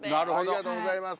ありがとうございます。